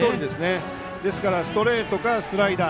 ですからストレートからスライダー。